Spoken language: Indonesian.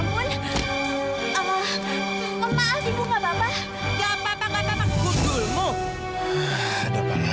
udah duda deh